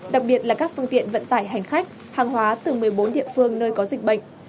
đặc biệt là các phương tiện vận tải hành khách hàng hóa từ một mươi bốn địa phương nơi có dịch bệnh